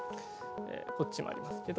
こっちもありますけど。